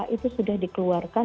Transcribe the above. itu sudah dikeluarkan